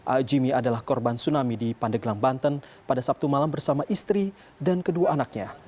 a jimmy adalah korban tsunami di pandeglang banten pada sabtu malam bersama istri dan kedua anaknya